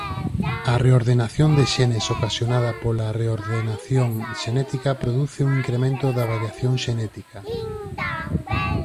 A reordenación de xenes ocasionada pola reordenación xenética produce un incremento da variación xenética.